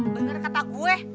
bener kata gue